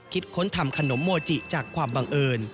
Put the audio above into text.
ค้นทำขนมโมจิจากความบังเอิญ